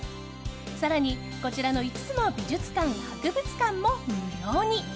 更に、こちらの５つの美術館博物館も無料に。